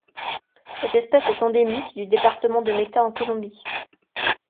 Cette espèce est endémique du département de Meta en Colombie.